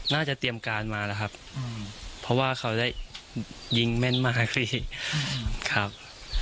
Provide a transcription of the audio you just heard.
เตรียมการมาแล้วครับเพราะว่าเขาได้ยิงแม่นมากพี่ครับ